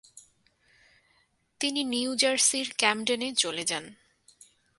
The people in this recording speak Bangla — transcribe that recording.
তিনি নিউ জার্সির ক্যামডেনে চলে যান।